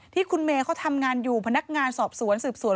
ที่คุณเมย์เขาทำงานอยู่พนักงานสอบสวนสืบสวน